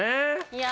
いや。